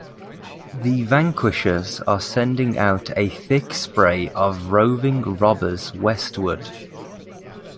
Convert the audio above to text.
The vanquishers are sending out a thick spray of roving robbers westward.